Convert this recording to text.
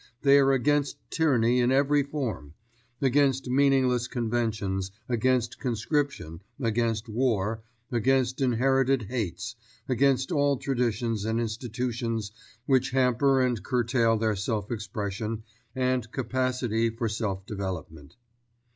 They are against tyranny in every form, against meaningless conventions, against conscription, against war, against inherited hates, against all traditions and institutions which hamper and curtail their self expression and capacity for self development.